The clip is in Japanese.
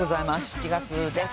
７月です。